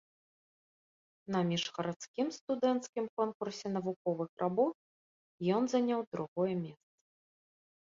На міжгарадскім студэнцкім конкурсе навуковых работ ён заняў другое месца.